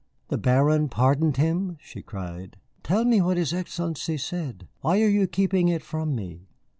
"The Baron pardoned him?" she cried. "Tell me what his Excellency said. Why are you keeping it from me?"